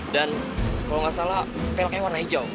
dan kalau gak salah pelaknya warna hijau